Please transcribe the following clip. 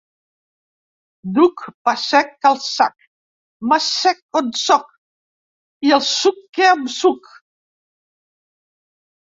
Duc pa sec al sac, m’assec on sóc, i el suque amb suc.